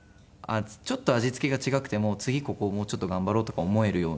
ちょっと味付けが違くても次ここをもうちょっと頑張ろうとか思えるような。